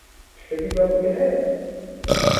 Tiştekî ku em bikin heye?